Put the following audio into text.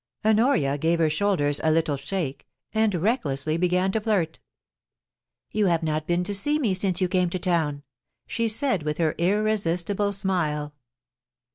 Honoria gave her shoulders a little shake, and recklessly began to flirt ' You have not been to see me since you came to town,' she said with her irresistible smile.